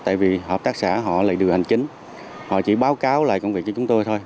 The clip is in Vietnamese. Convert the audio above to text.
tại vì hợp tác xã họ lại được hành chính họ chỉ báo cáo lại công việc cho chúng tôi thôi